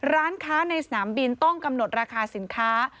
ร้านค้าในสนามบินต้องกำหนดราคาสินค้า